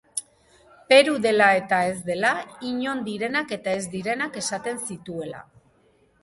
Peru dela eta ez dela, inon direnak eta ez direnak esaten zituela.